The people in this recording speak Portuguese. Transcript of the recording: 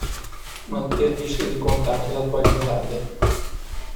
Manter lista de contatos atualizada.